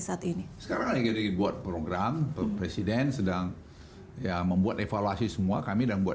saat ini sekarang lagi dibuat program presiden sedang ya membuat evaluasi semua kami dan buat